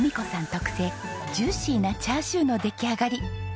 特製ジューシーなチャーシューの出来上がり。